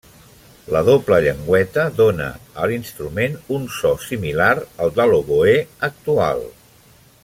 La doble llengüeta dóna a l'instrument un so similar al de l'oboè actual.